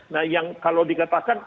nah yang kalau dikatakan